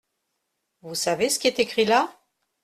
Vous savez ce qui est écrit là ?